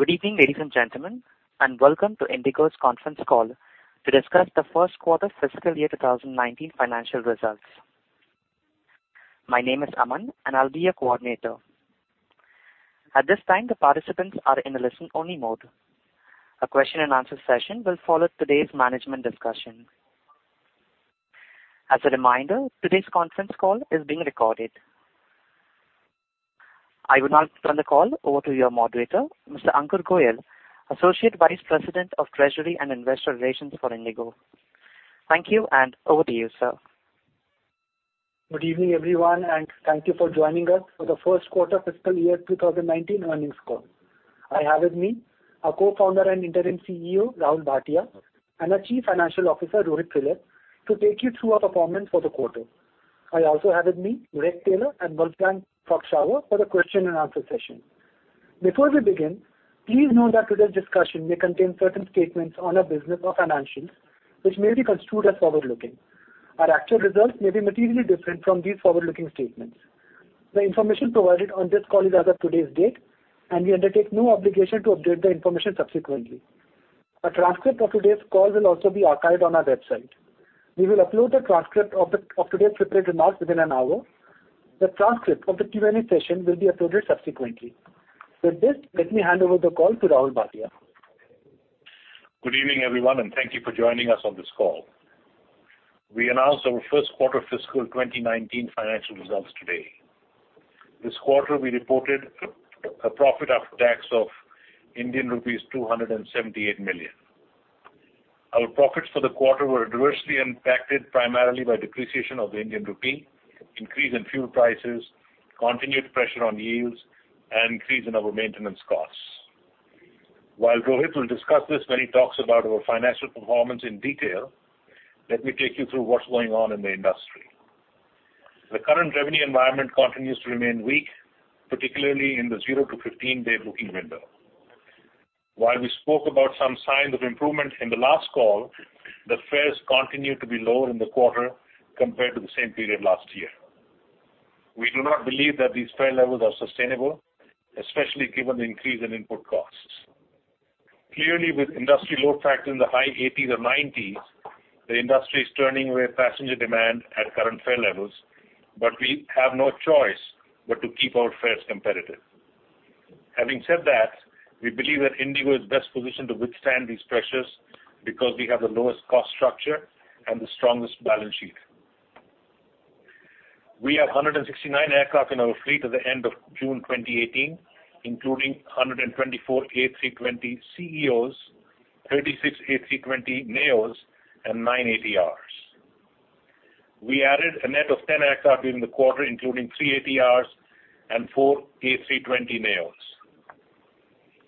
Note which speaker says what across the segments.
Speaker 1: Good evening, ladies and gentlemen, welcome to IndiGo's conference call to discuss the first quarter fiscal year 2019 financial results. My name is Aman, and I'll be your coordinator. At this time, the participants are in a listen-only mode. A question and answer session will follow today's management discussion. As a reminder, today's conference call is being recorded. I would now turn the call over to your moderator, Mr. Ankur Goel,
Speaker 2: Good evening, everyone, thank you for joining us for the first quarter fiscal year 2019 earnings call. I have with me our Co-founder and Interim CEO, Rahul Bhatia, and our Chief Financial Officer, Rohit Philip, to take you through our performance for the quarter. I also have with me Gregory Taylor and Wolfgang Prock-Schauer for the question and answer session. Before we begin, please note that today's discussion may contain certain statements on our business or financials, which may be construed as forward-looking. Our actual results may be materially different from these forward-looking statements. The information provided on this call is as of today's date, and we undertake no obligation to update the information subsequently. A transcript of today's call will also be archived on our website. We will upload the transcript of today's prepared remarks within an hour. The transcript of the Q&A session will be uploaded subsequently. With this, let me hand over the call to Rahul Bhatia.
Speaker 3: Good evening, everyone, thank you for joining us on this call. We announced our first quarter fiscal 2019 financial results today. This quarter, we reported a profit after tax of Indian rupees 278 million. Our profits for the quarter were adversely impacted primarily by depreciation of the Indian rupee, increase in fuel prices, continued pressure on yields, and increase in our maintenance costs. While Rohit will discuss this when he talks about our financial performance in detail, let me take you through what's going on in the industry. The current revenue environment continues to remain weak, particularly in the zero to 15-day booking window. While we spoke about some signs of improvement in the last call, the fares continued to be lower in the quarter compared to the same period last year. We do not believe that these fare levels are sustainable, especially given the increase in input costs. Clearly, with industry load factor in the high 80s or 90s, the industry is turning away passenger demand at current fare levels, but we have no choice but to keep our fares competitive. Having said that, we believe that IndiGo is best positioned to withstand these pressures because we have the lowest cost structure and the strongest balance sheet. We have 169 aircraft in our fleet at the end of June 2018, including 124 A320ceos, 36 A320neos and nine ATRs. We added a net of 10 aircraft during the quarter, including three ATRs and four A320neos.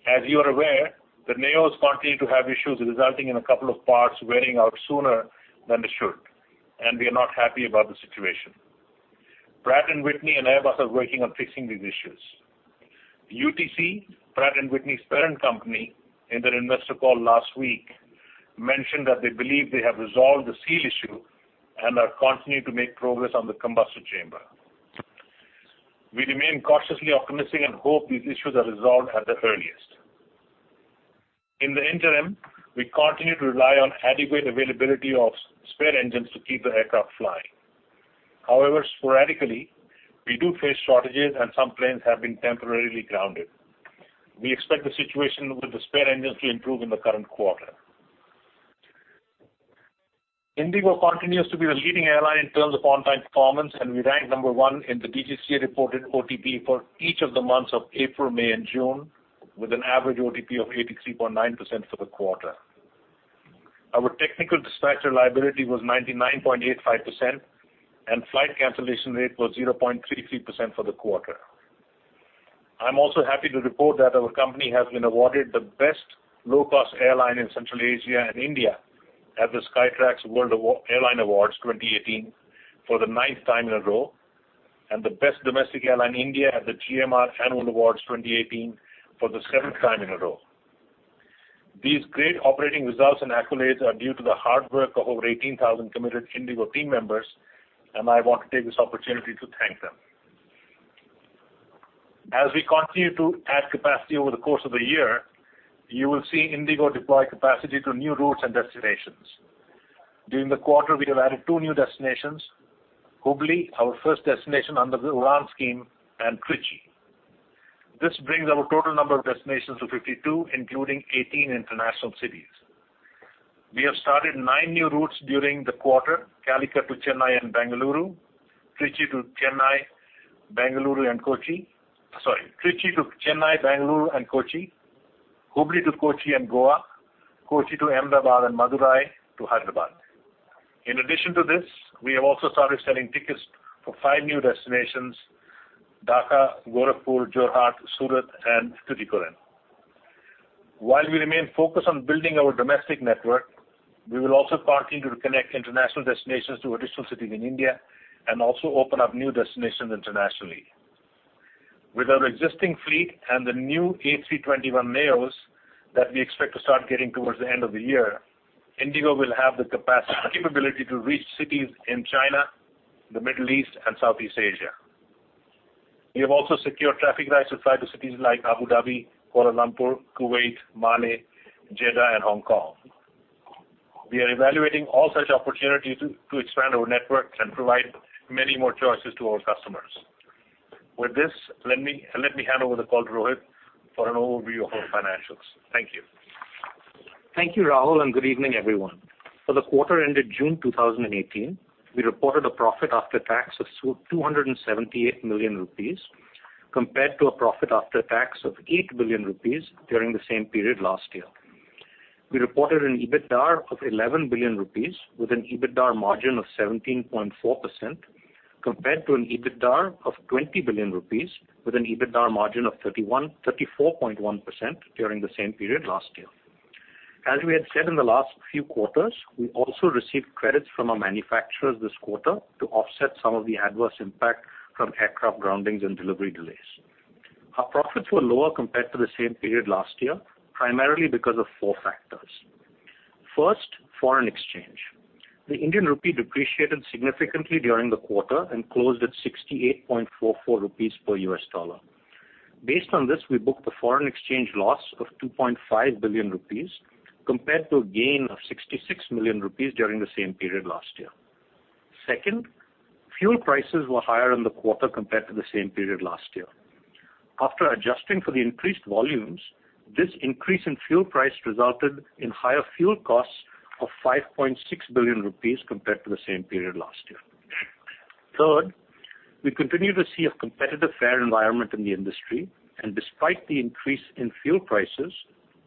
Speaker 3: As you are aware, the neos continue to have issues resulting in a couple of parts wearing out sooner than they should, and we are not happy about the situation. Pratt & Whitney and Airbus are working on fixing these issues. UTC, Pratt & Whitney's parent company, in their investor call last week mentioned that they believe they have resolved the seal issue and are continuing to make progress on the combustor chamber. We remain cautiously optimistic and hope these issues are resolved at the earliest. In the interim, we continue to rely on adequate availability of spare engines to keep the aircraft flying. However, sporadically, we do face shortages and some planes have been temporarily grounded. We expect the situation with the spare engines to improve in the current quarter. IndiGo continues to be the leading airline in terms of on-time performance, and we ranked number one in the DGCA-reported OTP for each of the months of April, May, and June, with an average OTP of 83.9% for the quarter. Our technical dispatcher reliability was 99.85%, and flight cancellation rate was 0.33% for the quarter. I am also happy to report that our company has been awarded the best low-cost airline in Central Asia and India at the Skytrax Airline Awards 2018 for the ninth time in a row, and the best domestic airline in India at the GMR Annual Awards 2018 for the seventh time in a row. These great operating results and accolades are due to the hard work of over 18,000 committed IndiGo team members, and I want to take this opportunity to thank them. As we continue to add capacity over the course of the year, you will see IndiGo deploy capacity to new routes and destinations. During the quarter, we have added two new destinations, Hubli, our first destination under the UDAAN scheme, and Trichy. This brings our total number of destinations to 52, including 18 international cities. We have started nine new routes during the quarter, Calicut to Chennai and Bengaluru, Trichy to Chennai, Bengaluru, and Kochi. Sorry. Trichy to Chennai, Bengaluru, and Kochi, Hubli to Kochi and Goa, Kochi to Ahmedabad, and Madurai to Hyderabad. In addition to this, we have also started selling tickets for five new destinations, Dhaka, Gorakhpur, Jorhat, Surat, and Thiruvananthapuram. While we remain focused on building our domestic network, we will also continue to connect international destinations to additional cities in India and also open up new destinations internationally. With our existing fleet and the new A321neos that we expect to start getting towards the end of the year, IndiGo will have the capability to reach cities in China, the Middle East, and Southeast Asia. We have also secured traffic rights to fly to cities like Abu Dhabi, Kuala Lumpur, Kuwait, Male, Jeddah, and Hong Kong. We are evaluating all such opportunities to expand our networks and provide many more choices to our customers. With this, let me hand over the call to Rohit for an overview of our financials. Thank you.
Speaker 4: Thank you, Rahul, and good evening, everyone. For the quarter ended June 2018, we reported a profit after tax of 278 million rupees, compared to a profit after tax of 8 billion rupees during the same period last year. We reported an EBITDAR of 11 billion rupees with an EBITDAR margin of 17.4%, compared to an EBITDAR of 20 billion rupees with an EBITDAR margin of 34.1% during the same period last year. As we had said in the last few quarters, we also received credits from our manufacturers this quarter to offset some of the adverse impact from aircraft groundings and delivery delays. Our profits were lower compared to the same period last year, primarily because of four factors. First, foreign exchange. The Indian rupee depreciated significantly during the quarter and closed at 68.44 rupees per US dollar. Based on this, we booked a foreign exchange loss of 2.5 billion rupees compared to a gain of 66 million rupees during the same period last year. Second, fuel prices were higher in the quarter compared to the same period last year. After adjusting for the increased volumes, this increase in fuel price resulted in higher fuel costs of 5.6 billion rupees compared to the same period last year. Third, we continue to see a competitive fare environment in the industry, and despite the increase in fuel prices,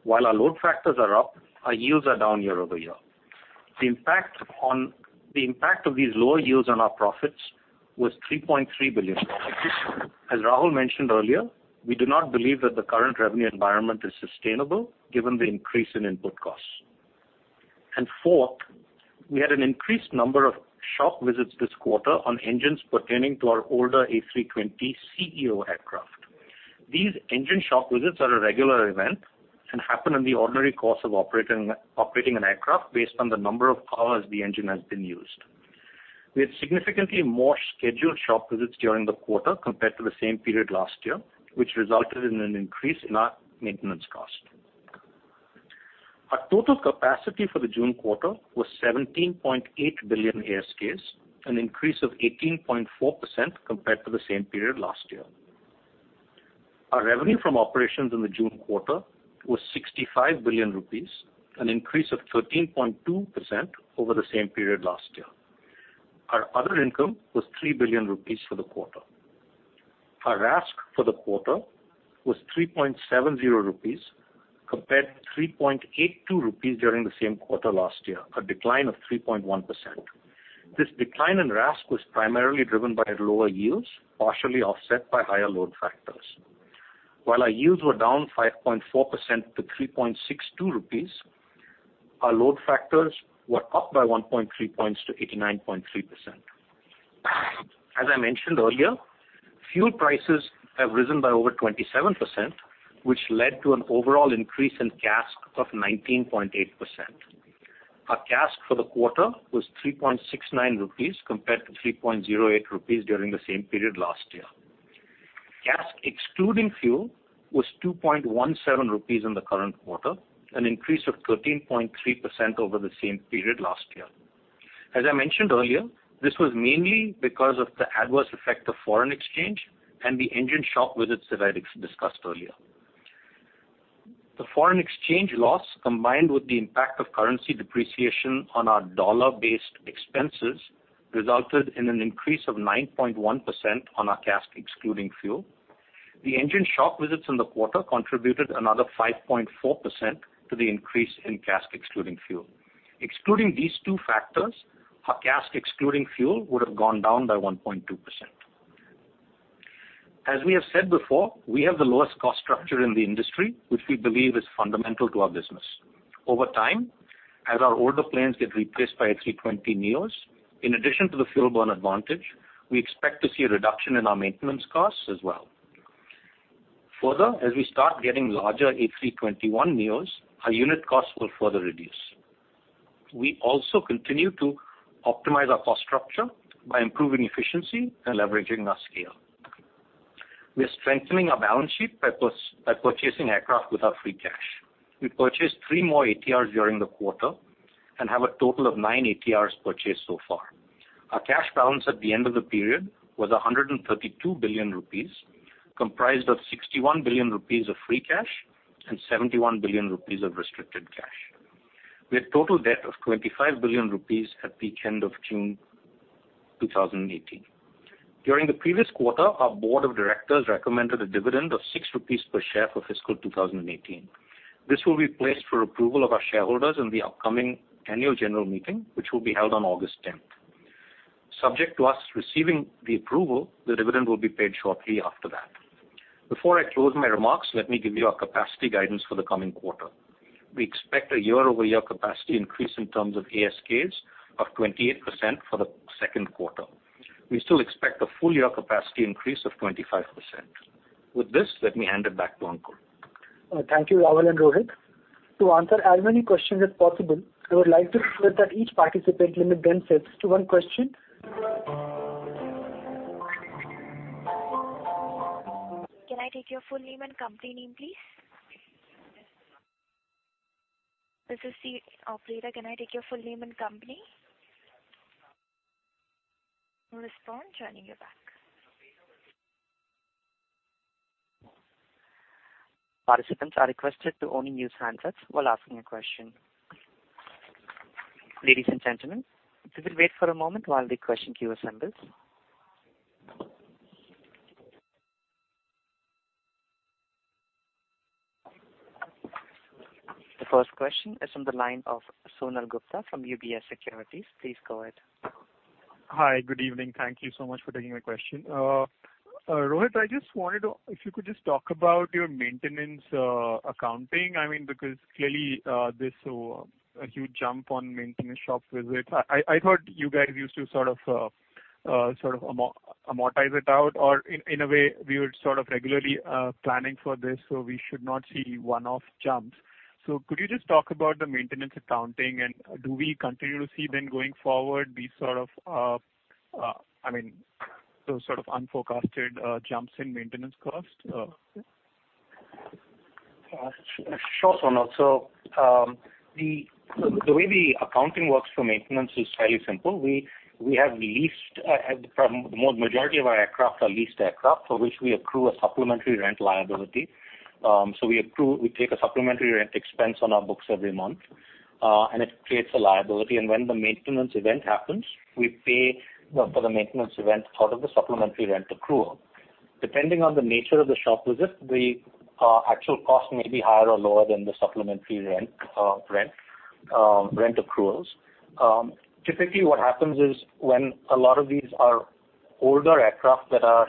Speaker 4: while our load factors are up, our yields are down year-over-year. The impact of these lower yields on our profits was 3.3 billion. As Rahul mentioned earlier, we do not believe that the current revenue environment is sustainable given the increase in input costs. Fourth, we had an increased number of shop visits this quarter on engines pertaining to our older A320ceo aircraft. These engine shop visits are a regular event and happen in the ordinary course of operating an aircraft based on the number of hours the engine has been used. We had significantly more scheduled shop visits during the quarter compared to the same period last year, which resulted in an increase in our maintenance cost. Our total capacity for the June quarter was 17.8 billion ASKs, an increase of 18.4% compared to the same period last year. Our revenue from operations in the June quarter was 65 billion rupees, an increase of 13.2% over the same period last year. Our other income was 3 billion rupees for the quarter. Our RASK for the quarter was 3.70 rupees compared to 3.82 rupees during the same quarter last year, a decline of 3.1%. This decline in RASK was primarily driven by lower yields, partially offset by higher load factors. While our yields were down 5.4% to 3.62 rupees, our load factors were up by 1.3 points to 89.3%. As I mentioned earlier, fuel prices have risen by over 27%, which led to an overall increase in CASK of 19.8%. Our CASK for the quarter was 3.69 rupees compared to 3.08 rupees during the same period last year. CASK excluding fuel was 2.17 rupees in the current quarter, an increase of 13.3% over the same period last year. As I mentioned earlier, this was mainly because of the adverse effect of foreign exchange and the engine shop visits that I discussed earlier. The foreign exchange loss, combined with the impact of currency depreciation on our dollar-based expenses, resulted in an increase of 9.1% on our CASK excluding fuel. The engine shop visits in the quarter contributed another 5.4% to the increase in CASK excluding fuel. Excluding these two factors, our CASK excluding fuel would have gone down by 1.2%. As we have said before, we have the lowest cost structure in the industry, which we believe is fundamental to our business. Over time, as our older planes get replaced by A320neos, in addition to the fuel burn advantage, we expect to see a reduction in our maintenance costs as well. Further, as we start getting larger A321neos, our unit costs will further reduce. We also continue to optimize our cost structure by improving efficiency and leveraging our scale. We are strengthening our balance sheet by purchasing aircraft with our free cash. We purchased three more ATRs during the quarter and have a total of nine ATRs purchased so far. Our cash balance at the end of the period was 132 billion rupees, comprised of 61 billion rupees of free cash and 71 billion rupees of restricted cash, with total debt of 25 billion rupees at peak end of June 2018. During the previous quarter, our board of directors recommended a dividend of six INR per share for fiscal 2018. This will be placed for approval of our shareholders in the upcoming annual general meeting, which will be held on August 10th. Subject to us receiving the approval, the dividend will be paid shortly after that. Before I close my remarks, let me give you our capacity guidance for the coming quarter. We expect a year-over-year capacity increase in terms of ASKs of 28% for the second quarter. We still expect a full-year capacity increase of 25%. With this, let me hand it back to Ankur.
Speaker 2: Thank you, Rahul and Rohit. To answer as many questions as possible, I would like to request that each participant limit themselves to one question.
Speaker 1: Can I take your full name and company name, please? This is the operator. Can I take your full name and company? No response. Joining you back. Participants are requested to only use handsets while asking a question. Ladies and gentlemen, please wait for a moment while the question queue assembles. The first question is on the line of Sonal Gupta from UBS Securities. Please go ahead.
Speaker 5: Hi. Good evening. Thank you so much for taking my question. Rohit, if you could just talk about your maintenance accounting. Clearly, there's a huge jump on maintenance shop visits. I thought you guys used to sort of amortize it out, or in a way, we would regularly planning for this, so we should not see one-off jumps. Could you just talk about the maintenance accounting, and do we continue to see then, going forward, those sort of unforecasted jumps in maintenance costs?
Speaker 4: Sure, Sonal. The way the accounting works for maintenance is fairly simple. Majority of our aircraft are leased aircraft, for which we accrue a supplementary rent liability. We take a supplementary rent expense on our books every month, and it creates a liability. When the maintenance event happens, we pay for the maintenance event out of the supplementary rent accrual. Depending on the nature of the shop visit, the actual cost may be higher or lower than the supplementary rent accruals. Typically, what happens is when a lot of these are older aircraft that are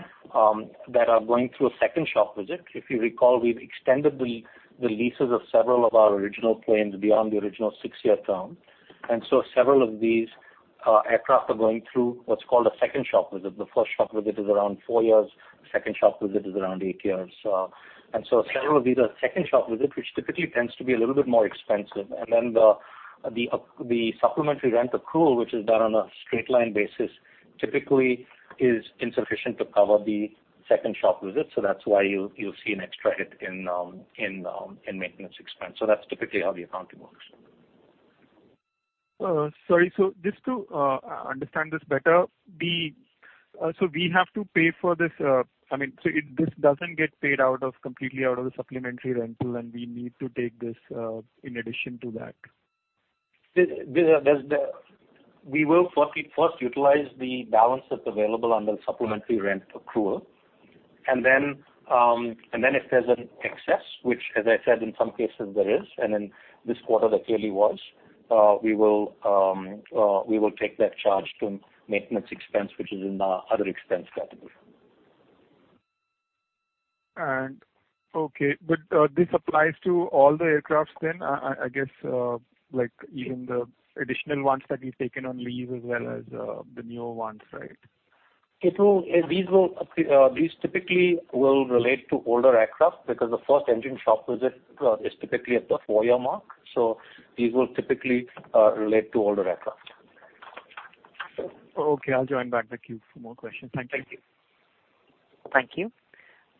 Speaker 4: going through a second shop visit, if you recall, we've extended the leases of several of our original planes beyond the original six-year term. Several of these aircraft are going through what's called a second shop visit. The first shop visit is around four years. The second shop visit is around eight years. Several of these are second shop visit, which typically tends to be a little bit more expensive. The supplementary rent accrual, which is done on a straight-line basis, typically is insufficient to cover the second shop visit. That's why you'll see an extra hit in maintenance expense. That's typically how the accounting works.
Speaker 5: Sorry. Just to understand this better, we have to pay for this. This doesn't get paid completely out of the supplementary rental, and we need to take this in addition to that?
Speaker 4: We will first utilize the balance that's available under the supplementary rent accrual. If there's an excess, which as I said, in some cases there is, and in this quarter there clearly was, we will take that charge to maintenance expense, which is in the other expense category.
Speaker 5: Okay. This applies to all the aircraft then, I guess even the additional ones that you've taken on lease as well as the newer ones, right?
Speaker 4: These typically will relate to older aircraft because the first engine shop visit is typically at the four-year mark. These will typically relate to older aircraft.
Speaker 5: Okay. I'll join back the queue for more questions. Thank you.
Speaker 1: Thank you. Thank you.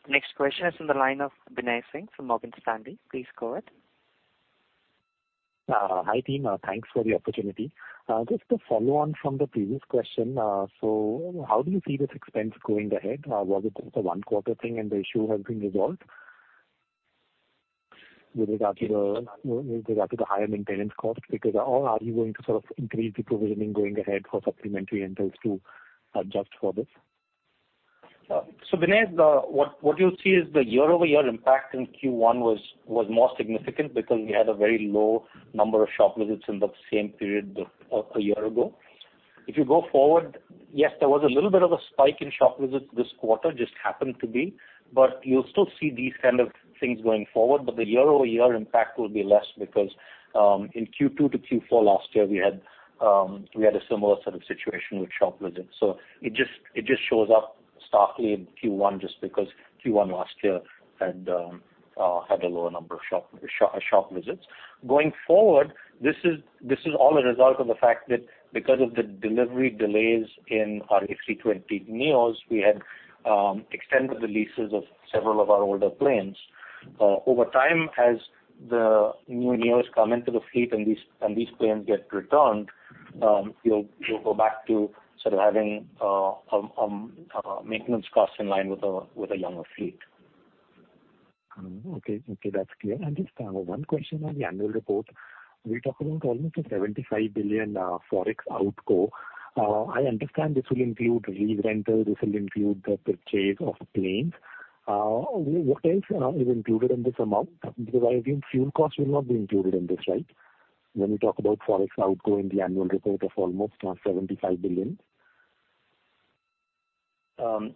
Speaker 1: Next question is on the line of Binay Singh from Morgan Stanley. Please go ahead.
Speaker 6: Hi, team. Thanks for the opportunity. Just to follow on from the previous question, how do you see this expense going ahead? Was it just a one-quarter thing and the issue has been resolved with regard to the higher maintenance cost? Or are you going to increase the provisioning going ahead for supplementary rentals to adjust for this?
Speaker 4: Binay, what you'll see is the year-over-year impact in Q1 was more significant because we had a very low number of shop visits in that same period a year ago. If you go forward, yes, there was a little bit of a spike in shop visits this quarter, just happened to be. You'll still see these kind of things going forward. The year-over-year impact will be less because in Q2 to Q4 last year, we had a similar sort of situation with shop visits. It just shows up starkly in Q1 just because Q1 last year had a lower number of shop visits. Going forward, this is all a result of the fact that because of the delivery delays in our A320neos, we had extended the leases of several of our older planes. Over time, as the new neos come into the fleet and these planes get returned, you'll go back to having maintenance costs in line with a younger fleet.
Speaker 6: Okay. That's clear. Just one question on the annual report. We talk about almost a 75 billion Forex outgo. I understand this will include re-rental, this will include the purchase of planes. What else is included in this amount? I think fuel costs will not be included in this, right? When we talk about Forex outgo in the annual report of almost $INR 75 billion.
Speaker 4: I'm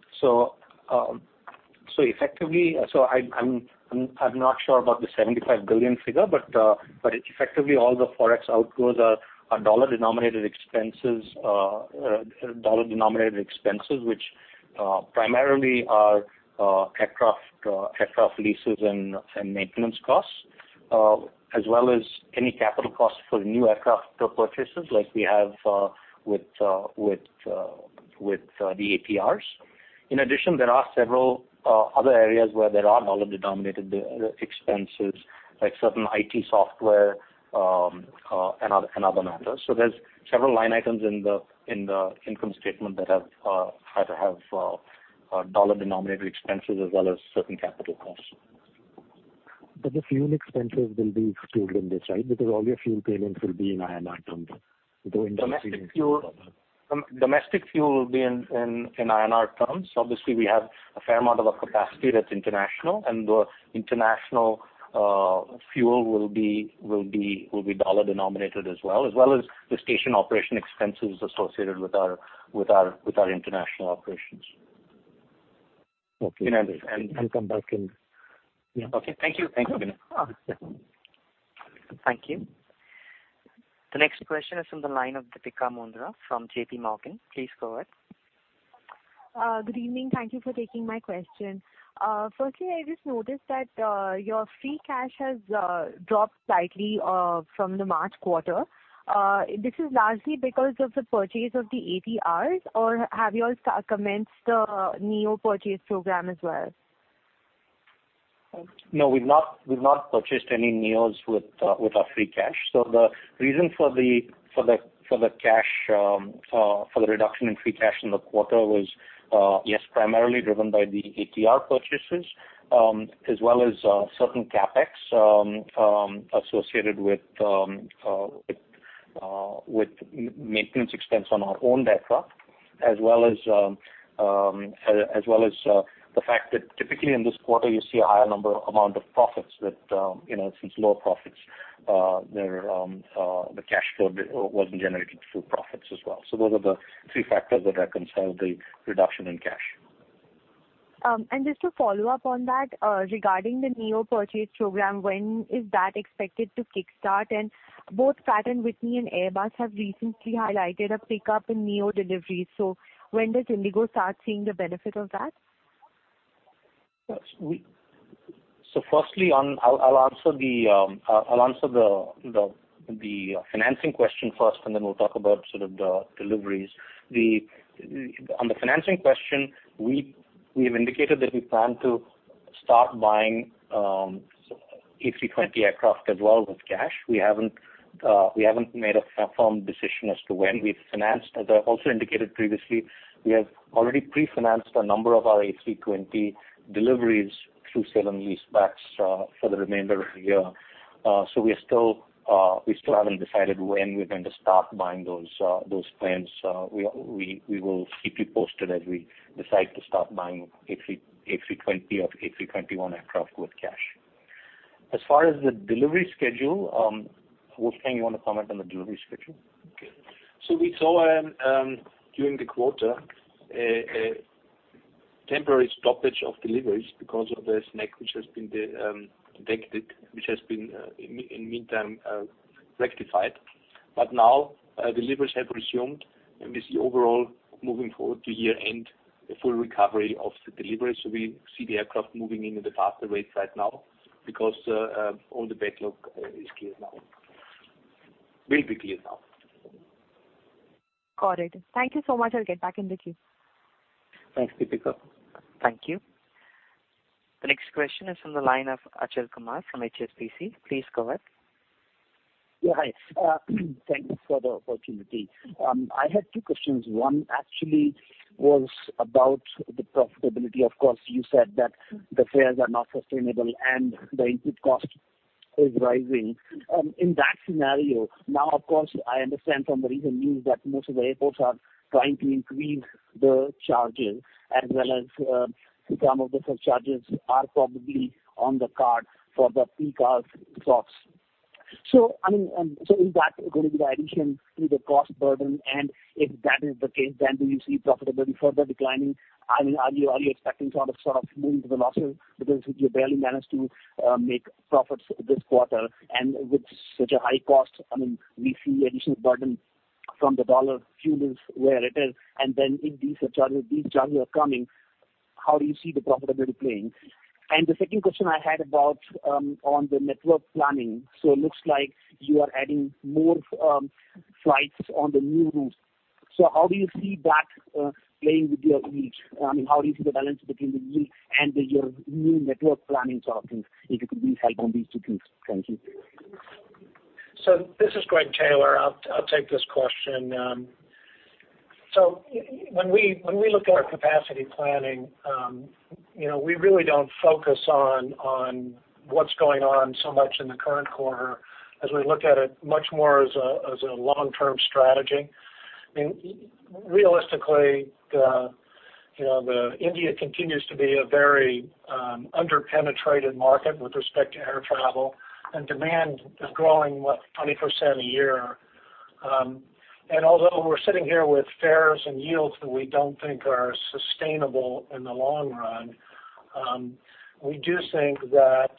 Speaker 4: not sure about the 75 billion figure, but effectively all the Forex outgos are dollar-denominated expenses which primarily our aircraft leases and maintenance costs, as well as any capital costs for new aircraft purchases like we have with the ATRs. In addition, there are several other areas where there are dollar-denominated expenses, like certain IT software, and other matters. There's several line items in the income statement that either have dollar-denominated expenses as well as certain capital costs.
Speaker 6: The fuel expenses will be excluded in this, right? Because all your fuel payments will be in INR terms.
Speaker 4: Domestic fuel will be in INR terms. Obviously, we have a fair amount of our capacity that's international, and the international fuel will be dollar-denominated as well, as well as the station operation expenses associated with our international operations.
Speaker 6: Okay.
Speaker 4: And-
Speaker 6: I'll come back in.
Speaker 4: Yeah.
Speaker 6: Okay. Thank you.
Speaker 4: Thanks.
Speaker 6: Thank you.
Speaker 1: Thank you. The next question is from the line of Deepika Mundra from JP Morgan. Please go ahead.
Speaker 7: Good evening. Thank you for taking my question. Firstly, I just noticed that your free cash has dropped slightly from the March quarter. This is largely because of the purchase of the ATRs, or have you all commenced the neo-purchase program as well?
Speaker 4: No, we've not purchased any neos with our free cash. The reason for the reduction in free cash in the quarter was, yes, primarily driven by the ATR purchases, as well as certain CapEx associated with maintenance expense on our own aircraft, as well as the fact that typically in this quarter, you see a higher amount of profits that, since lower profits, the cash flow wasn't generated through profits as well. Those are the three factors that have caused the reduction in cash.
Speaker 7: Just to follow up on that, regarding the neo-purchase program, when is that expected to kickstart? Both Pratt & Whitney and Airbus have recently highlighted a pickup in neo deliveries. When does IndiGo start seeing the benefit of that?
Speaker 4: Firstly, I'll answer the financing question first, and then we'll talk about sort of the deliveries. On the financing question, we've indicated that we plan to start buying A320 aircraft as well with cash. We haven't made a firm decision as to when. We've financed, as I also indicated previously, we have already pre-financed a number of our A320 deliveries through sale and leasebacks for the remainder of the year. We still haven't decided when we're going to start buying those planes. We will keep you posted as we decide to start buying A320 or A321 aircraft with cash. As far as the delivery schedule, Wolfgang, you want to comment on the delivery schedule?
Speaker 8: We saw, during the quarter, a temporary stoppage of deliveries because of the snag which has been detected, which has been in the meantime rectified. Deliveries have resumed, and we see overall, moving forward to year-end, a full recovery of the deliveries. We see the aircraft moving in at a faster rate right now because all the backlog is cleared now. Will be cleared now.
Speaker 7: Got it. Thank you so much. I'll get back in the queue.
Speaker 4: Thanks, Deepika.
Speaker 1: Thank you. The next question is from the line of Achal Kumar from HSBC. Please go ahead.
Speaker 9: Hi. Thank you for the opportunity. I had two questions. One actually was about the profitability. Of course, you said that the fares are not sustainable and the input cost is rising. In that scenario, now, of course, I understand from the recent news that most of the airports are trying to increase the charges as well as some of the surcharges are probably on the card for the peak hours slots. Is that going to be the addition to the cost burden? If that is the case, do you see profitability further declining? Are you expecting to sort of move into the losses? Because you barely managed to make profits this quarter and with such a high cost, we see additional burden from the U.S. dollar, fuel is where it is, and if these surcharges are coming, how do you see the profitability playing? The second question I had about on the network planning. It looks like you are adding more flights on the new routes. How do you see that playing with your yield? How do you see the balance between the yield and your new network planning offerings? If you could please help on these two things. Thank you.
Speaker 10: This is Gregory Taylor. I'll take this question. When we look at our capacity planning, we really don't focus on what's going on so much in the current quarter as we look at it much more as a long-term strategy. Realistically, India continues to be a very under-penetrated market with respect to air travel, demand is growing, what, 20% a year. Although we're sitting here with fares and yields that we don't think are sustainable in the long run, we do think that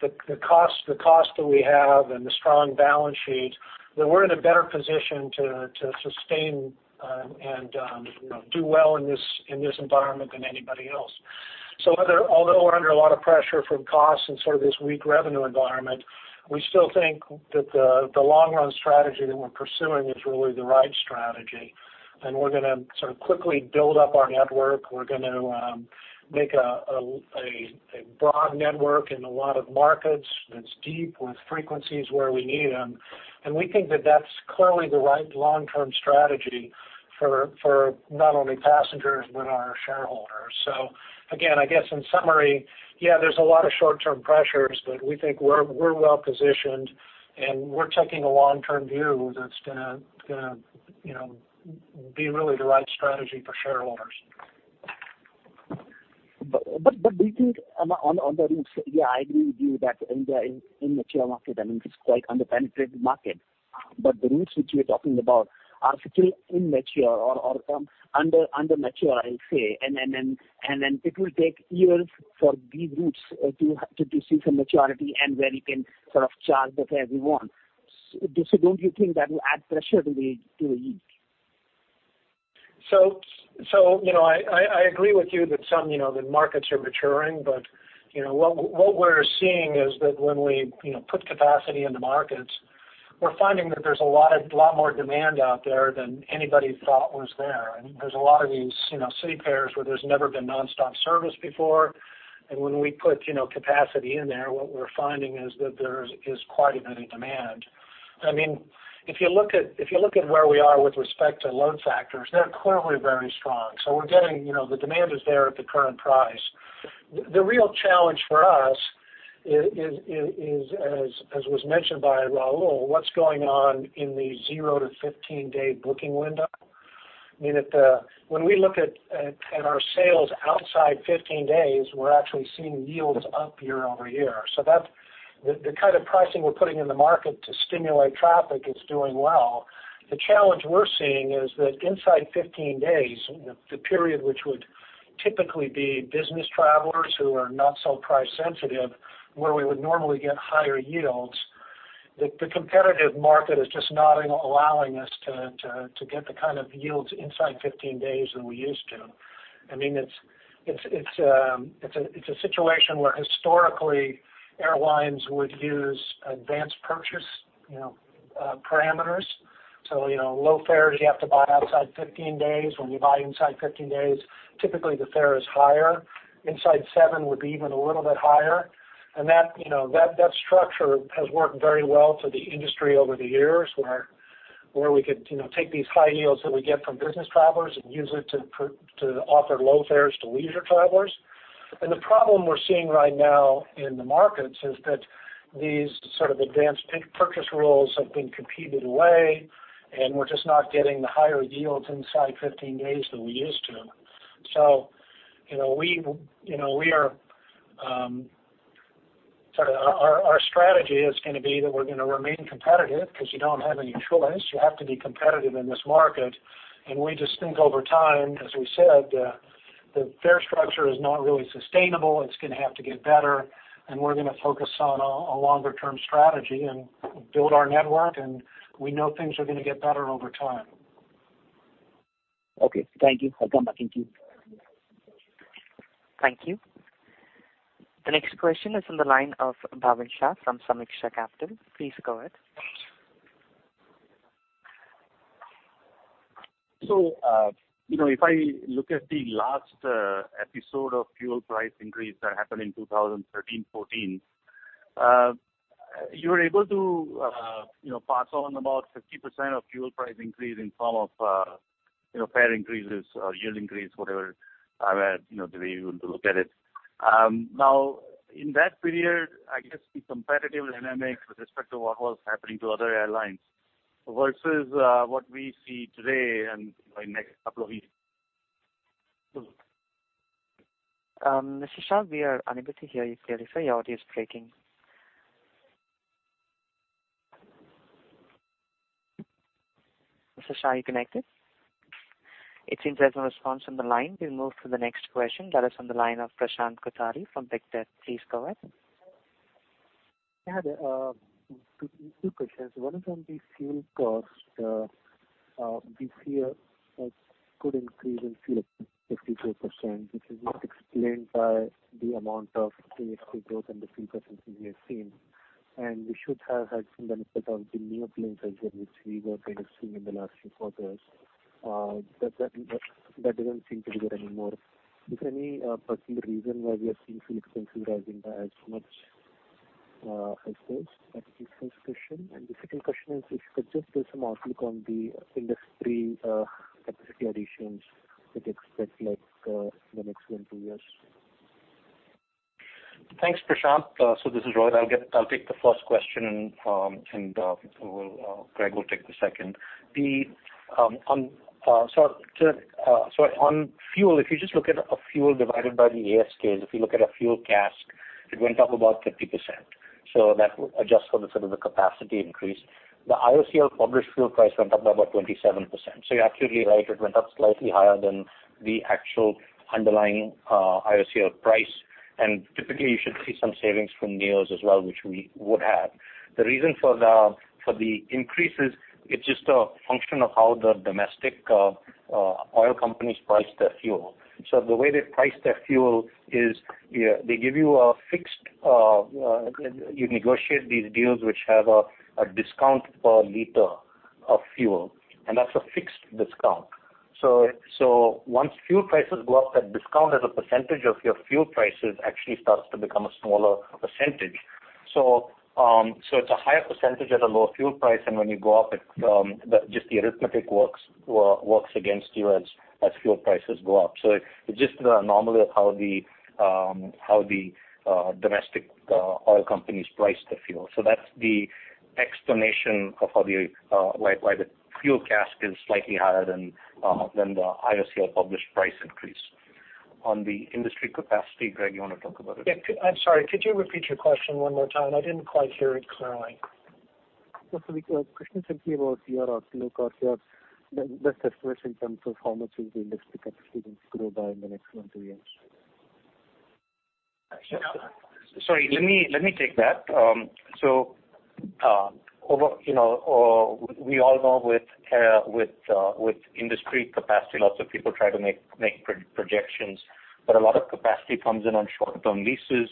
Speaker 10: with the cost that we have and the strong balance sheet, that we're in a better position to sustain and do well in this environment than anybody else. Although we're under a lot of pressure from costs and this weak revenue environment, we still think that the long-run strategy that we're pursuing is really the right strategy, we're going to quickly build up our network. We're going to make a broad network in a lot of markets that's deep, with frequencies where we need them. We think that that's clearly the right long-term strategy for not only passengers, but our shareholders. Again, I guess in summary, yeah, there's a lot of short-term pressures, we think we're well-positioned and we're taking a long-term view that's going to be really the right strategy for shareholders.
Speaker 9: Do you think on the routes? Yeah, I agree with you that India is immature market. I mean, it's quite under-penetrated market. The routes which we're talking about are still immature or under-mature, I'll say. It will take years for these routes to see some maturity and where you can charge the fare you want. Don't you think that will add pressure to the yield?
Speaker 10: I agree with you that markets are maturing, what we're seeing is that when we put capacity in the markets, we're finding that there's a lot more demand out there than anybody thought was there. I mean, there's a lot of these city pairs where there's never been nonstop service before. When we put capacity in there, what we're finding is that there is quite a bit of demand. I mean, if you look at where we are with respect to load factors, they're clearly very strong. The demand is there at the current price. The real challenge for us is, as was mentioned by Rahul, what's going on in the 0 to 15-day booking window. I mean, when we look at our sales outside 15 days, we're actually seeing yields up year over year. The kind of pricing we're putting in the market to stimulate traffic is doing well. The challenge we're seeing is that inside 15 days, the period which would typically be business travelers who are not so price sensitive, where we would normally get higher yields, the competitive market is just not allowing us to get the kind of yields inside 15 days that we used to. I mean, it's a situation where historically airlines would use advanced purchase parameters. Low fares you have to buy outside 15 days. When you buy inside 15 days, typically the fare is higher. Inside seven would be even a little bit higher. That structure has worked very well for the industry over the years, where we could take these high yields that we get from business travelers and use it to offer low fares to leisure travelers. The problem we're seeing right now in the markets is that these sort of advanced purchase rules have been competed away, and we're just not getting the higher yields inside 15 days that we used to. Our strategy is going to be that we're going to remain competitive because you don't have any choice. You have to be competitive in this market. We just think over time, as we said, the fare structure is not really sustainable. It's going to have to get better, and we're going to focus on a longer-term strategy and build our network, and we know things are going to get better over time.
Speaker 9: Okay. Thank you. I'll come back into you.
Speaker 1: Thank you. The next question is on the line of Bhavin Shah from Sameeksha Capital. Please go ahead.
Speaker 11: If I look at the last episode of fuel price increase that happened in 2013, 2014, you were able to pass on about 50% of fuel price increase in form of fare increases or yield increase, whatever way you want to look at it. In that period, I guess the competitive dynamics with respect to what was happening to other airlines versus what we see today and in next couple of weeks.
Speaker 1: Mr. Shah, we are unable to hear you clearly, sir. Your audio is breaking. Mr. Shah, are you connected? It seems there's no response on the line. We'll move to the next question that is on the line of Prashant Kothari from Pictet. Please go ahead.
Speaker 12: I had two questions. One is on the fuel cost. This year, a good increase in fuel of 52%, which is not explained by the amount of capacity growth and the fuel efficiency we have seen, and we should have had some benefit of the newer planes as well, which we were kind of seeing in the last few quarters. That doesn't seem to be there anymore. Is there any particular reason why we are seeing fuel efficiency rising by as much as this? That is the first question. The second question is, if you could just give some outlook on the industry capacity additions that you expect in the next one, two years.
Speaker 10: Thanks, Prashant. This is Rohit. I'll take the first question, and Greg will take the second. On fuel, if you just look at a fuel divided by the ASK, if you look at a fuel CASK, it went up about 50%.
Speaker 4: That will adjust for the capacity increase. The IOCL published fuel price went up by about 27%. You're absolutely right. It went up slightly higher than the actual underlying IOCL price. Typically, you should see some savings from neos as well, which we would have. The reason for the increases, it's just a function of how the domestic oil companies price their fuel. The way they price their fuel is you negotiate these deals which have a discount per liter of fuel, and that's a fixed discount. Once fuel prices go up, that discount as a percentage of your fuel prices actually starts to become a smaller percentage. It's a higher percentage at a lower fuel price, and when you go up, just the arithmetic works against you as fuel prices go up. It's just the anomaly of how the domestic oil companies price the fuel. That's the explanation of why the fuel CASK is slightly higher than the IOCL published price increase. On the industry capacity, Greg, you want to talk about it?
Speaker 10: Yeah. I'm sorry. Could you repeat your question one more time? I didn't quite hear it clearly.
Speaker 12: Yes, the question is simply about your outlook or your best estimation in terms of how much will the industry capacity grow by in the next one to two years?
Speaker 4: Sorry, let me take that. We all know with industry capacity, lots of people try to make projections, but a lot of capacity comes in on short-term leases.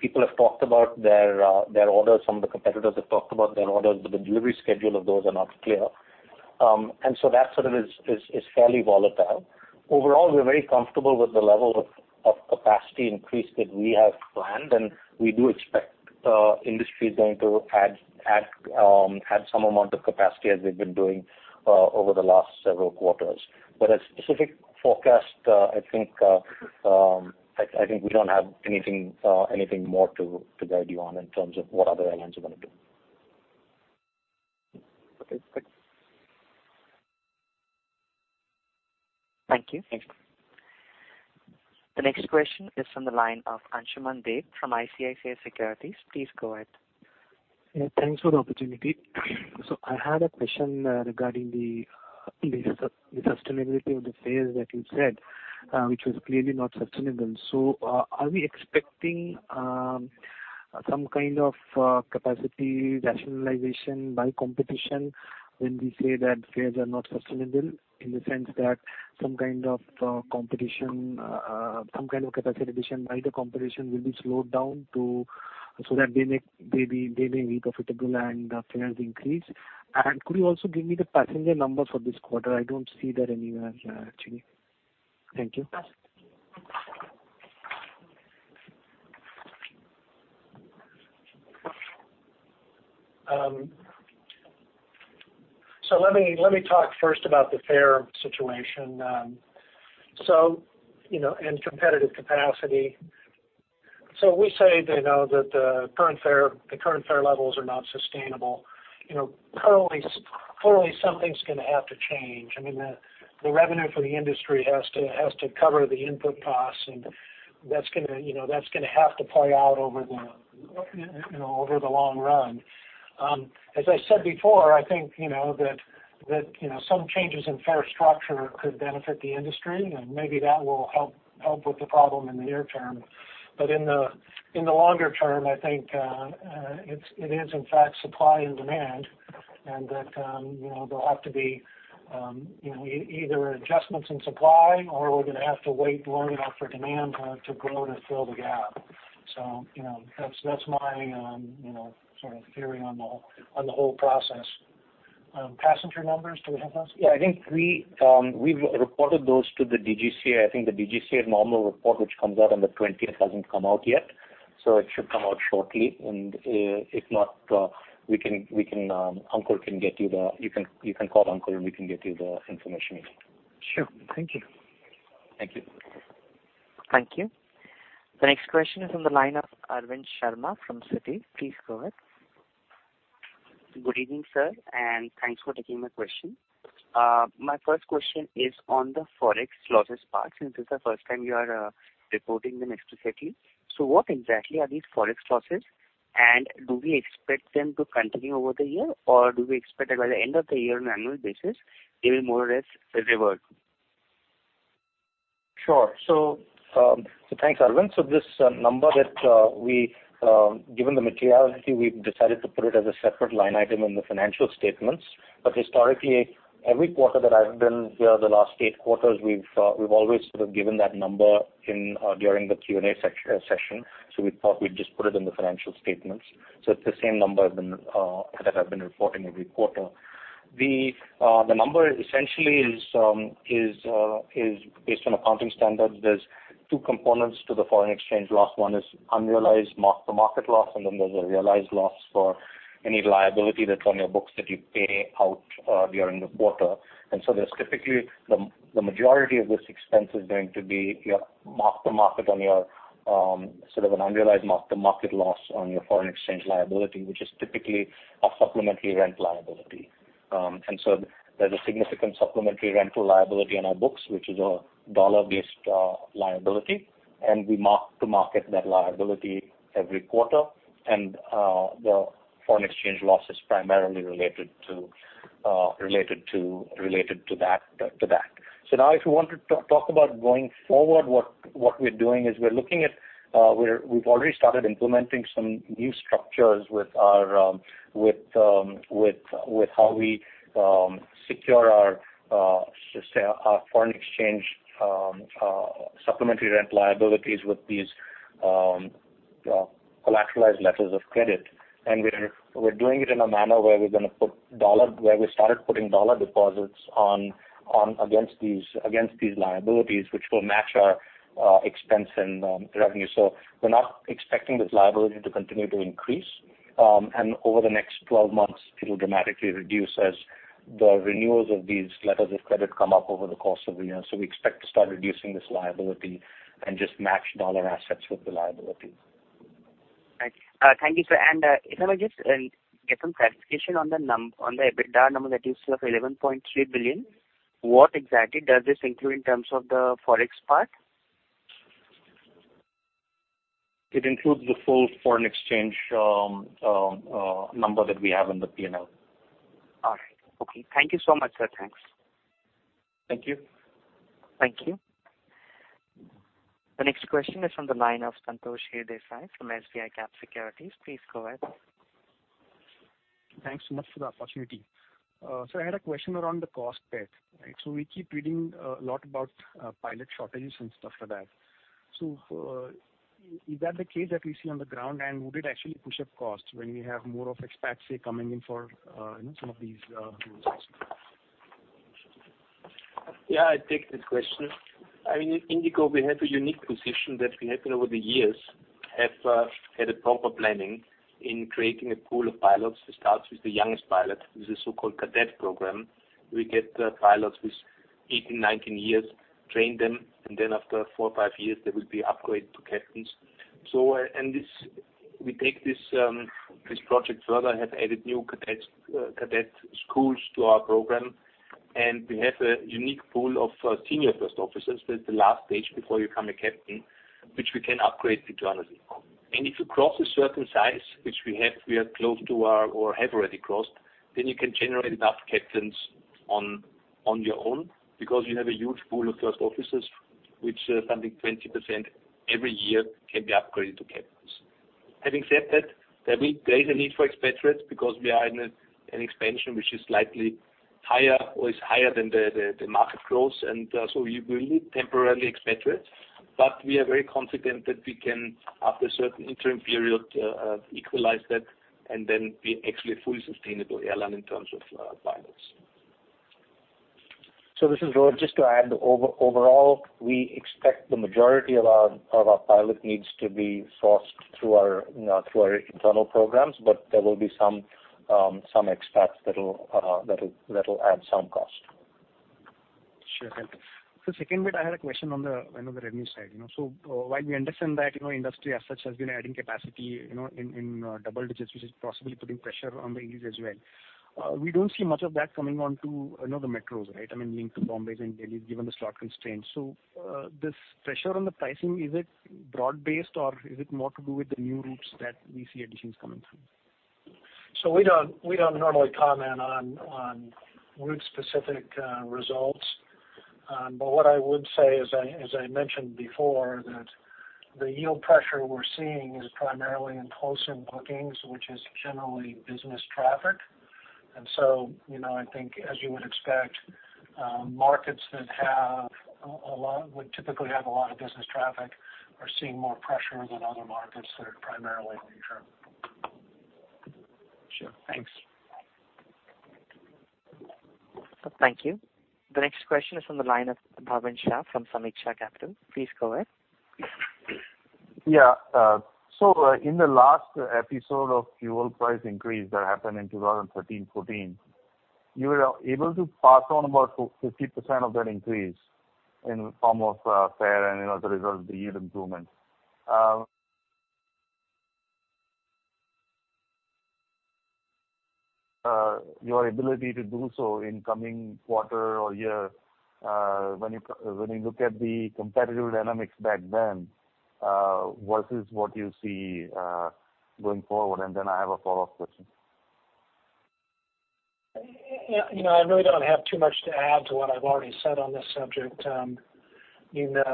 Speaker 4: People have talked about their orders. Some of the competitors have talked about their orders, but the delivery schedule of those are not clear. That sort of is fairly volatile. Overall, we're very comfortable with the level of capacity increase that we have planned, and we do expect the industry is going to add some amount of capacity as they've been doing over the last several quarters. A specific forecast, I think we don't have anything more to guide you on in terms of what other airlines are going to do.
Speaker 12: Okay, thanks.
Speaker 1: Thank you.
Speaker 12: Thanks.
Speaker 1: The next question is from the line of Anshuman Deb from ICICI Securities. Please go ahead.
Speaker 13: Yeah, thanks for the opportunity. I had a question regarding the sustainability of the fares that you said, which was clearly not sustainable. Are we expecting some kind of capacity rationalization by competition when we say that fares are not sustainable in the sense that some kind of competition, some kind of capacity addition by the competition will be slowed down so that they may be profitable and fares increase? Could you also give me the passenger number for this quarter? I don't see that anywhere here, actually. Thank you.
Speaker 10: Let me talk first about the fare situation and competitive capacity. We say that the current fare levels are not sustainable. Clearly, something's going to have to change. I mean, the revenue for the industry has to cover the input costs, and that's going to have to play out over the long run. As I said before, I think that some changes in fare structure could benefit the industry, and maybe that will help with the problem in the near term. In the longer term, I think it is in fact supply and demand, and that there'll have to be either adjustments in supply or we're going to have to wait long enough for demand to grow to fill the gap. That's my sort of theory on the whole process. Passenger numbers, do we have those?
Speaker 4: Yeah, I think we've reported those to the DGCA. I think the DGCA normal report, which comes out on the 20th, hasn't come out yet. It should come out shortly. If not, you can call Ankur, and we can get you the information.
Speaker 13: Sure. Thank you.
Speaker 4: Thank you.
Speaker 1: Thank you. The next question is on the line of Arvind Sharma from Citi. Please go ahead.
Speaker 14: Good evening, sir, and thanks for taking my question. My first question is on the forex losses part, since it's the first time you are reporting them explicitly. What exactly are these forex losses, and do we expect them to continue over the year, or do we expect that by the end of the year on an annual basis, they will more or less revert?
Speaker 4: Sure. Thanks, Arvind. This number that given the materiality, we've decided to put it as a separate line item in the financial statements. Historically, every quarter that I've been here, the last eight quarters, we've always sort of given that number during the Q&A session. We thought we'd just put it in the financial statements. It's the same number that I've been reporting every quarter. The number essentially is based on accounting standards. There's two components to the foreign exchange loss. One is unrealized mark-to-market loss, and then there's a realized loss for any liability that's on your books that you pay out during the quarter. There's typically the majority of this expense is going to be your mark-to-market on your sort of an unrealized mark-to-market loss on your foreign exchange liability, which is typically a supplementary rent liability. There's a significant supplementary rental liability on our books, which is a dollar-based liability, and we mark to market that liability every quarter. The foreign exchange loss is primarily related to that. Now, if you want to talk about going forward, what we're doing is we've already started implementing some new structures with how we secure our, just say, foreign exchange supplementary rent liabilities with these collateralized letters of credit. We're doing it in a manner where we started putting dollar deposits against these liabilities, which will match our expense and revenue. We're not expecting this liability to continue to increase. Over the next 12 months, it'll dramatically reduce as the renewals of these letters of credit come up over the course of a year. We expect to start reducing this liability and just match dollar assets with the liability.
Speaker 14: Right. Thank you, sir. If I may just get some clarification on the EBITDA number that you said of 11.3 billion. What exactly does this include in terms of the Forex part?
Speaker 4: It includes the full foreign exchange number that we have in the P&L.
Speaker 14: All right. Okay. Thank you so much, sir. Thanks.
Speaker 4: Thank you.
Speaker 1: Thank you. The next question is on the line of Santosh Hiredesai from SBICAP Securities. Please go ahead.
Speaker 15: Thanks so much for the opportunity. I had a question around the cost bit. We keep reading a lot about pilot shortages and stuff like that. Is that the case that we see on the ground? Would it actually push up costs when we have more of expats coming in for some of these roles?
Speaker 8: Yeah, I take this question. In IndiGo, we have a unique position that we have over the years had a proper planning in creating a pool of pilots. It starts with the youngest pilot, with the so-called cadet program. We get pilots with 18, 19 years, train them, and then after four or five years, they will be upgraded to captains. We take this project further, have added new cadet schools to our program, and we have a unique pool of senior first officers. That's the last stage before you become a captain, which we can upgrade to another. If you cross a certain size, which we are close to or have already crossed, then you can generate enough captains on your own because you have a huge pool of first officers, which something 20% every year can be upgraded to captains. Having said that, there is a need for expatriates because we are in an expansion which is slightly higher or is higher than the market growth. We will need temporarily expatriates, but we are very confident that we can, after a certain interim period, equalize that and then be actually a fully sustainable airline in terms of pilots.
Speaker 4: This is Rohit. Just to add, overall, we expect the majority of our pilot needs to be sourced through our internal programs, but there will be some expats that'll add some cost.
Speaker 15: Sure. Thank you. Second bit, I had a question on the revenue side. While we understand that industry as such has been adding capacity in double digits, which is possibly putting pressure on the yields as well. We don't see much of that coming on to the metros, right? I mean, linked to Bombay's and Delhi's given the slot constraints. This pressure on the pricing, is it broad based or is it more to do with the new routes that we see additions coming from?
Speaker 10: We don't normally comment on route specific results. But what I would say is, as I mentioned before, that the yield pressure we're seeing is primarily in wholesale bookings, which is generally business traffic. I think as you would expect, markets that would typically have a lot of business traffic are seeing more pressure than other markets that are primarily leisure.
Speaker 15: Sure. Thanks.
Speaker 1: Thank you. The next question is on the line of Bhavin Shah from Sameeksha Capital. Please go ahead.
Speaker 11: Yeah. In the last episode of fuel price increase that happened in 2013, 2014, you were able to pass on about 50% of that increase in form of fare and as a result of the yield improvement. Your ability to do so in coming quarter or year, when you look at the competitive dynamics back then versus what you see going forward, and then I have a follow-up question.
Speaker 10: I really don't have too much to add to what I've already said on this subject. The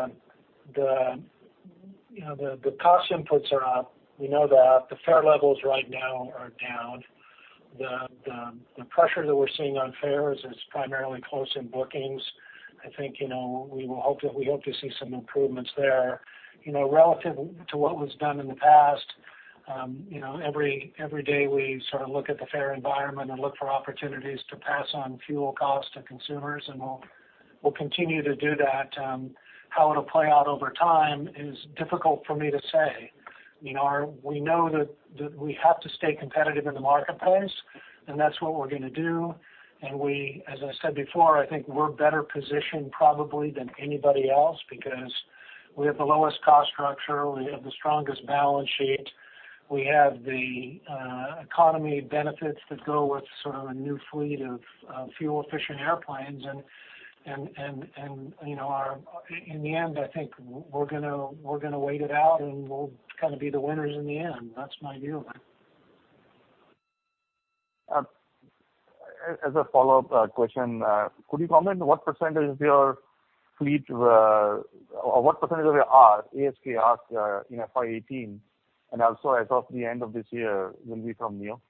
Speaker 10: cost inputs are up. We know the fare levels right now are down. The pressure that we're seeing on fares is primarily close in bookings. I think we hope to see some improvements there. Relative to what was done in the past, every day we sort of look at the fare environment and look for opportunities to pass on fuel cost to consumers, and we'll continue to do that. How it'll play out over time is difficult for me to say. We know that we have to stay competitive in the marketplace, and that's what we're going to do. As I said before, I think we're better positioned probably than anybody else because we have the lowest cost structure, we have the strongest balance sheet. We have the economy benefits that go with sort of a new fleet of fuel-efficient airplanes. In the end, I think we're going to wait it out, and we'll be the winners in the end. That's my view.
Speaker 11: As a follow-up question, could you comment what percentage of your ASK in FY 2018, and also as of the end of this year will be from NEO?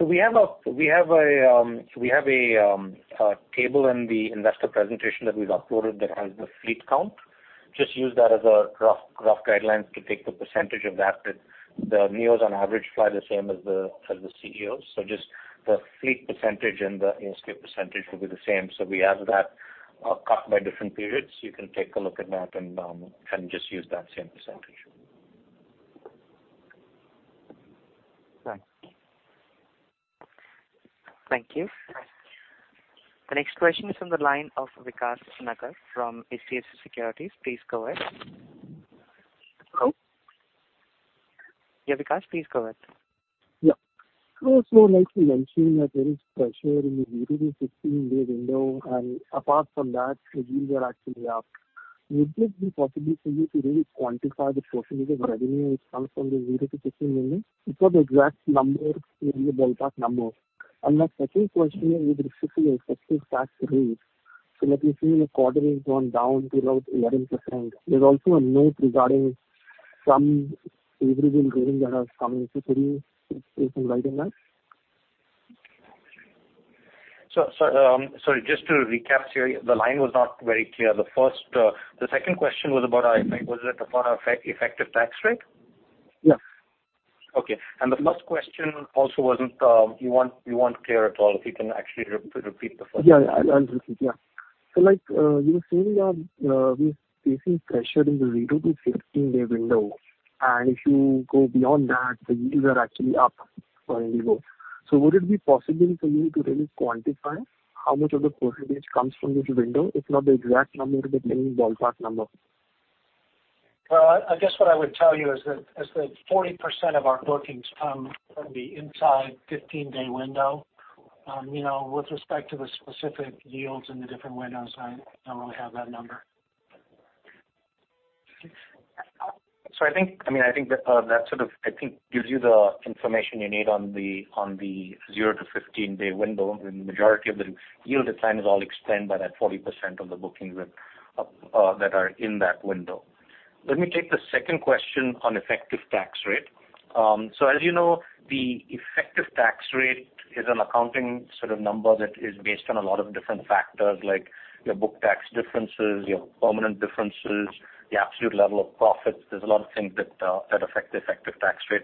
Speaker 4: We have a table in the investor presentation that we've uploaded that has the fleet count. Just use that as a rough guideline to take the percentage of that. The NEOs on average fly the same as the CEOs. Just the fleet percentage and the ASK percentage will be the same. We have that cut by different periods. You can take a look at that and just use that same percentage.
Speaker 11: Thanks.
Speaker 1: Thank you. The next question is from the line of Madhukar Ladha from HDFC Securities. Please go ahead.
Speaker 16: Hello?
Speaker 1: Yeah, Vikas, please go ahead.
Speaker 16: Yeah. I would like to mention that there is pressure in the 0-15 day window, and apart from that, yields are actually up. Would it be possible for you to really quantify the percentage of revenue which comes from the 0-15 window? If not the exact number, maybe a ballpark number. My second question is with respect to your effective tax rate. That we have seen the quarter has gone down to around 11%. There is also a note regarding some eligible gains that have come into story. Is it right in that?
Speaker 4: Sorry, just to recap here, the line was not very clear. The second question was about our, I think, was it about our effective tax rate?
Speaker 16: Yeah.
Speaker 4: Okay. The first question also was not clear at all, if you can actually repeat the first one.
Speaker 16: Yeah, I'll repeat. You were saying we are facing pressure in the 0-15 day window, and if you go beyond that, the yields are actually up for IndiGo. Would it be possible for you to really quantify how much of the % comes from this window? If not the exact number, maybe a ballpark number.
Speaker 10: Well, I guess what I would tell you is that 40% of our bookings come from the inside 15-day window. With respect to the specific yields in the different windows, I don't really have that number.
Speaker 4: I think that gives you the information you need on the 0-15 day window. The majority of the yield decline is all explained by that 40% of the bookings that are in that window. Let me take the second question on effective tax rate. As you know, the effective tax rate is an accounting number that is based on a lot of different factors like your book tax differences, your permanent differences, the absolute level of profits. There's a lot of things that affect the effective tax rate.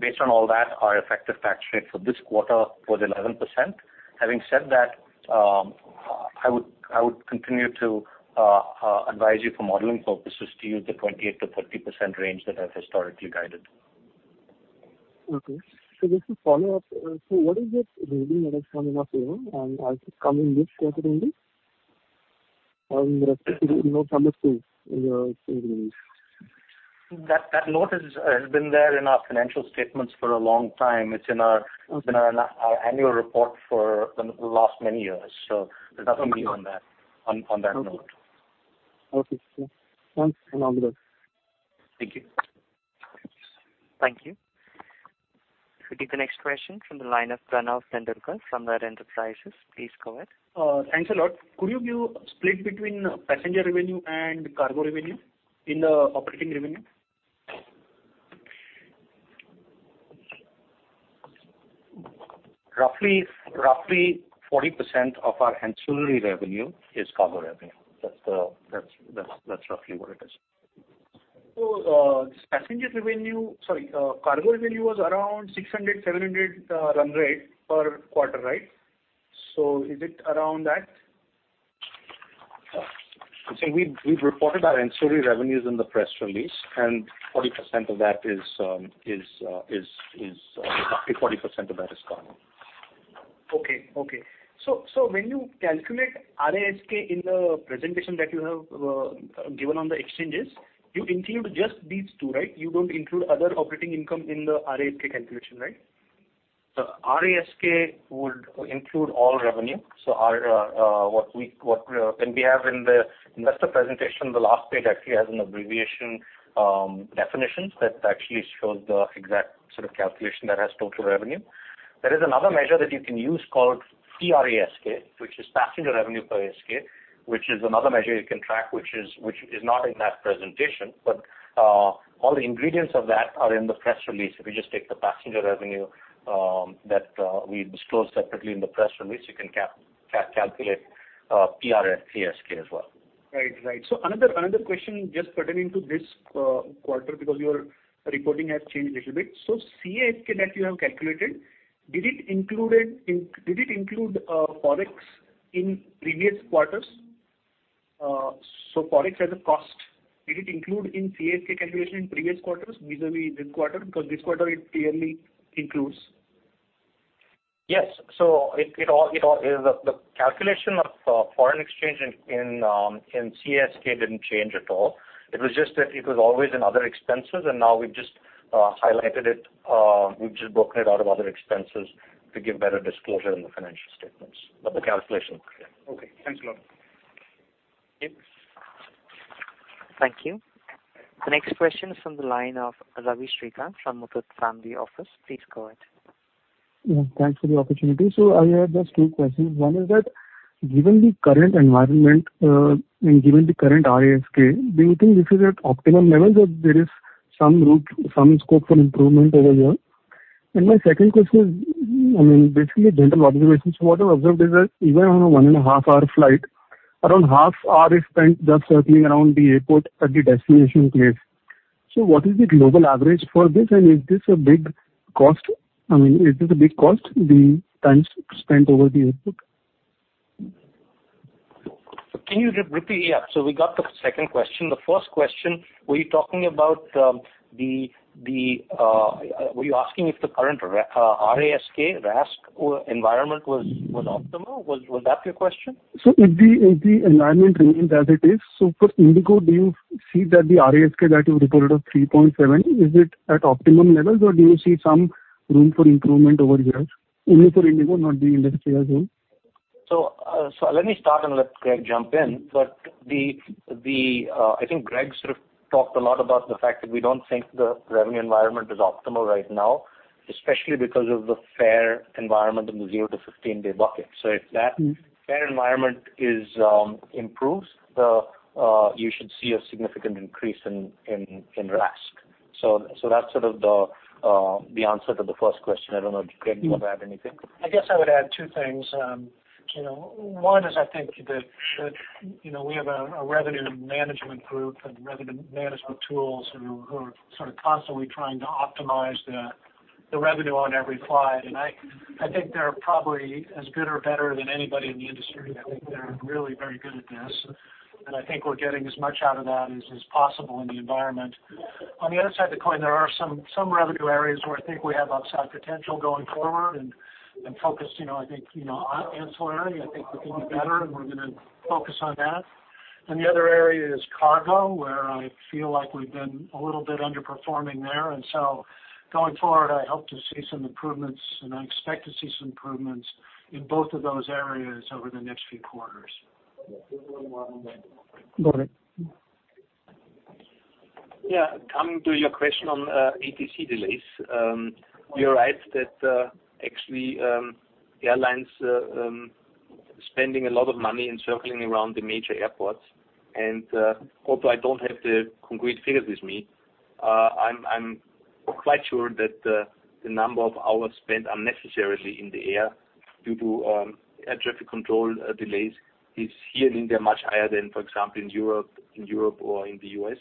Speaker 4: Based on all that, our effective tax rate for this quarter was 11%. Having said that, I would continue to advise you for modeling purposes to use the 28%-30% range that I've historically guided.
Speaker 16: Okay. Just to follow up, so what is it really that is coming up here? Has it come in this quarter only? With respect to the note number two in your release.
Speaker 4: That note has been there in our financial statements for a long time. It's in our-
Speaker 16: Okay
Speaker 4: annual report for the last many years. There's nothing new on that note.
Speaker 16: Okay, sir. Sounds phenomenal.
Speaker 4: Thank you.
Speaker 1: Thank you. Take the next question from the line of Pranav Tendulkar from Rare Enterprises. Please go ahead.
Speaker 17: Thanks a lot. Could you give split between passenger revenue and cargo revenue in the operating revenue?
Speaker 4: Roughly 40% of our ancillary revenue is cargo revenue. That's roughly what it is.
Speaker 17: Cargo revenue was around 600, 700 run rate per quarter, right? Is it around that?
Speaker 4: we've reported our ancillary revenues in the press release, and 40% of that is cargo.
Speaker 17: When you calculate RASK in the presentation that you have given on the exchanges, you include just these two, right? You don't include other operating income in the RASK calculation, right?
Speaker 4: RASK would include all revenue. What we have in the investor presentation, the last page actually has an abbreviation definitions that actually shows the exact sort of calculation that has total revenue. There is another measure that you can use called PRASK, which is passenger revenue per ASK, which is another measure you can track, which is not in that presentation. All the ingredients of that are in the press release. If you just take the passenger revenue that we disclose separately in the press release, you can calculate PRASK as well.
Speaker 17: Another question just pertaining to this quarter because your reporting has changed little bit. PRASK that you have calculated, did it include Forex in previous quarters? Forex as a cost, did it include in PRASK calculation in previous quarters vis-a-vis this quarter? Because this quarter it clearly includes.
Speaker 4: Yes. The calculation of foreign exchange in CASK didn't change at all. It was just that it was always in other expenses, and now we've just highlighted it. We've just broken it out of other expenses to give better disclosure in the financial statements. The calculation is clear. Okay. Thanks a lot.
Speaker 1: Thanks. Thank you. The next question is from the line of Sreekanth Ravi from Muthoot Family Office. Please go ahead.
Speaker 18: Yeah, thanks for the opportunity. I have just two questions. One is that, given the current environment, and given the current RASK, do you think this is at optimum levels or there is some scope for improvement over here? My second question is, basically a general observation. What I observed is that even on a one-and-a-half-hour flight, around half hour is spent just circling around the airport at the destination place. What is the global average for this? Is this a big cost? I mean, is this a big cost, the time spent over the airport?
Speaker 4: Can you just repeat? Yeah. We got the second question. The first question, were you talking about? Were you asking if the current R-A-S-K, RASK environment was optimal? Was that your question?
Speaker 18: If the environment remains as it is, for IndiGo, do you see that the RASK that you reported of 3.7, is it at optimum levels or do you see some room for improvement over here? Only for IndiGo, not the industry as a whole.
Speaker 4: Let me start and let Greg jump in. I think Greg sort of talked a lot about the fact that we don't think the revenue environment is optimal right now, especially because of the fare environment in the 0 to 15-day bucket. If that fare environment improves, you should see a significant increase in RASK. That's sort of the answer to the first question. I don't know, Greg, do you want to add anything?
Speaker 10: I guess I would add two things. One is, I think that we have a revenue management group and revenue management tools who are sort of constantly trying to optimize the revenue on every flight. I think they're probably as good or better than anybody in the industry. I think they're really very good at this, and I think we're getting as much out of that as is possible in the environment. On the other side of the coin, there are some revenue areas where I think we have upside potential going forward and focus, I think, ancillary, I think we can do better, and we're going to focus on that. The other area is cargo, where I feel like we've been a little bit underperforming there. Going forward, I hope to see some improvements, and I expect to see some improvements in both of those areas over the next few quarters.
Speaker 18: Got it.
Speaker 8: Yeah. Coming to your question on ATC delays. You're right, that actually airlines spending a lot of money in circling around the major airports. Although I don't have the concrete figures with me, I'm quite sure that the number of hours spent unnecessarily in the air due to air traffic control delays is here in India, much higher than, for example, in Europe or in the U.S.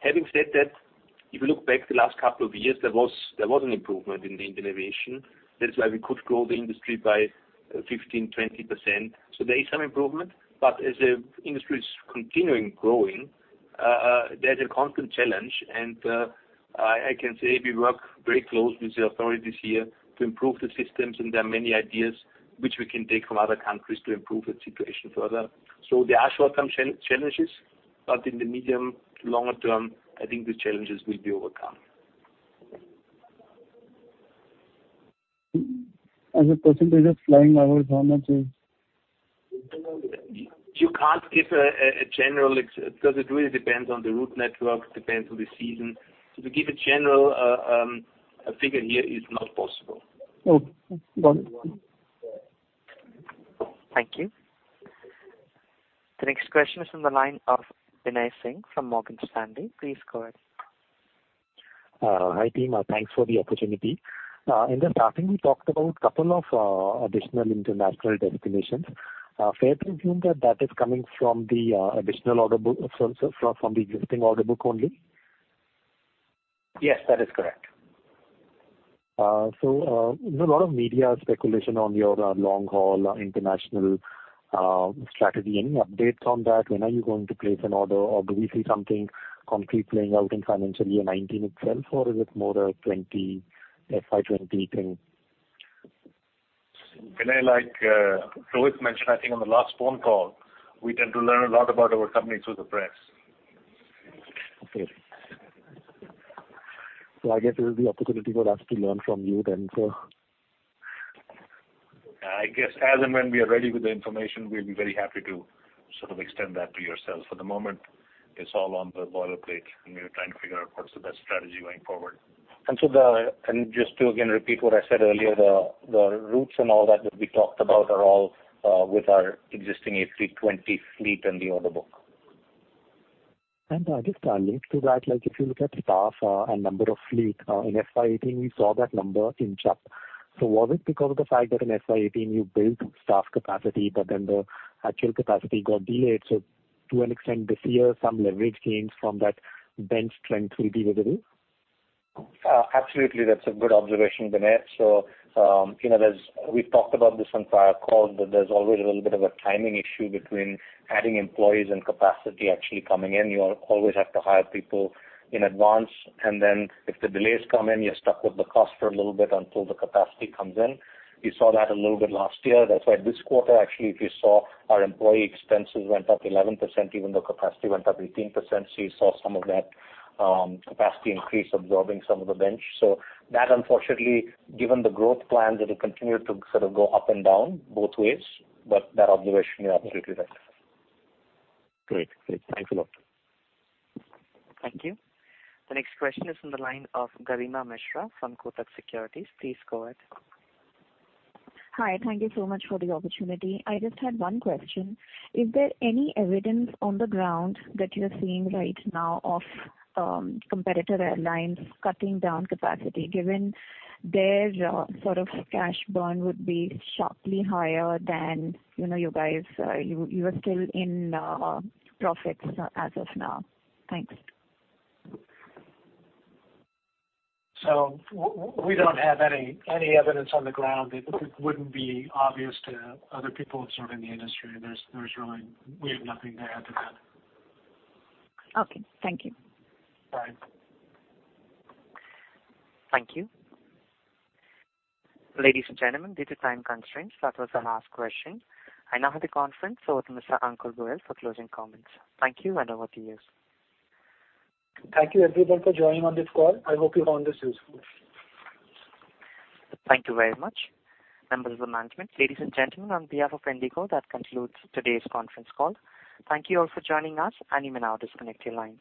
Speaker 8: Having said that, if you look back the last couple of years, there was an improvement in the Indian aviation. That is why we could grow the industry by 15%, 20%. There is some improvement, but as the industry is continuing growing, there's a constant challenge. I can say we work very close with the authorities here to improve the systems, and there are many ideas which we can take from other countries to improve the situation further. There are short-term challenges, but in the medium to longer term, I think these challenges will be overcome.
Speaker 18: As a percentage of flying hours, how much is?
Speaker 8: You can't give a general, because it really depends on the route network, depends on the season. To give a general figure here is not possible.
Speaker 18: Okay. Got it.
Speaker 1: Thank you. The next question is from the line of Binay Singh from Morgan Stanley. Please go ahead.
Speaker 6: Hi, team. Thanks for the opportunity. In the starting, we talked about a couple of additional international destinations. Fair to assume that that is coming from the existing order book only?
Speaker 4: Yes, that is correct.
Speaker 6: There's a lot of media speculation on your long-haul international strategy. Any updates on that? When are you going to place an order? Do we see something concrete playing out in financial year 2019 itself, or is it more the 2020, FY 2020 thing?
Speaker 2: Binay, like Rohit mentioned, I think on the last phone call, we tend to learn a lot about our company through the press.
Speaker 6: Okay. I guess this is the opportunity for us to learn from you then, sir.
Speaker 2: I guess as and when we are ready with the information, we'll be very happy to sort of extend that to yourselves. For the moment, it's all on the boilerplate, and we are trying to figure out what is the best strategy going forward. Just to again repeat what I said earlier, the routes and all that that we talked about are all with our existing A320 fleet and the order book.
Speaker 6: I guess linked to that, if you look at staff and number of fleet, in FY 2018, we saw that number inch up. Was it because of the fact that in FY 2018 you built staff capacity, but then the actual capacity got delayed, to an extent this year, some leverage gains from that bench strength will be visible?
Speaker 4: Absolutely. That's a good observation, Binay. We've talked about this on prior calls, but there's always a little bit of a timing issue between adding employees and capacity actually coming in. You always have to hire people in advance, and then if the delays come in, you're stuck with the cost for a little bit until the capacity comes in. You saw that a little bit last year. That's why this quarter, actually, if you saw our employee expenses went up 11%, even though capacity went up 18%. You saw some of that capacity increase absorbing some of the bench. That unfortunately, given the growth plans, it'll continue to sort of go up and down both ways. That observation, you're absolutely right.
Speaker 6: Great. Thanks a lot.
Speaker 1: Thank you. The next question is from the line of Garima Mishra from Kotak Securities. Please go ahead.
Speaker 19: Hi. Thank you so much for the opportunity. I just had one question. Is there any evidence on the ground that you're seeing right now of competitor airlines cutting down capacity, given their sort of cash burn would be sharply higher than you guys? You are still in profits as of now. Thanks.
Speaker 10: We don't have any evidence on the ground. It wouldn't be obvious to other people observing the industry. We have nothing to add to that.
Speaker 19: Okay. Thank you.
Speaker 10: Bye.
Speaker 1: Thank you. Ladies and gentlemen, due to time constraints, that was the last question. I now hand the conference over to Mr. Ankur Goyal for closing comments. Thank you and over to you.
Speaker 2: Thank you everyone for joining on this call. I hope you found this useful.
Speaker 1: Thank you very much. Members of the management, ladies and gentlemen, on behalf of IndiGo, that concludes today's conference call. Thank you all for joining us, and you may now disconnect your lines.